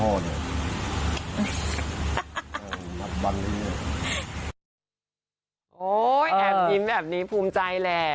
โอ้ยแอบอิ๊มแบบนี้มีความพูดใจแหละ